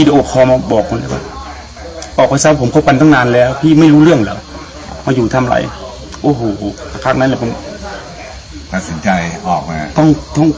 แต่ออกมาก็ยัง